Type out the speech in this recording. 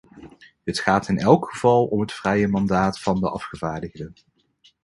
Het gaat in elk geval om het vrije mandaat van de afgevaardigden.